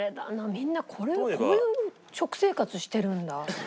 みんなこういう食生活してるんだ。